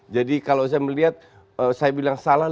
jadi kalau saya melihat saya bilang salah lebih